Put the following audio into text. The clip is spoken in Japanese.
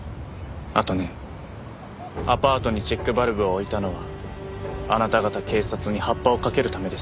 あとねアパートにチェックバルブを置いたのはあなた方警察にハッパをかけるためですよ。